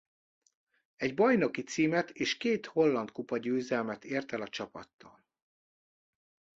Egy bajnoki címet és két holland kupa győzelmet ért el a csapattal.